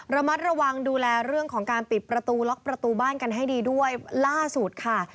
ระมัดระวังดูแลเรื่องของการปิดประตูล็อกประตูบ้านกันให้ดีด้วยล่าสุดค่ะ